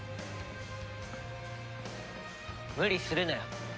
無理するなよ。